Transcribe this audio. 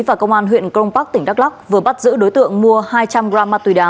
và công an huyện cron park tỉnh đắk lắc vừa bắt giữ đối tượng mua hai trăm linh gram ma túy đá